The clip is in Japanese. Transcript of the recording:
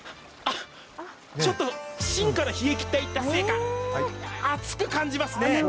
ちょっと芯から冷え切っていたせいか熱く感じますね。